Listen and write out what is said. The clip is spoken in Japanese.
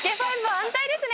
安泰ですね！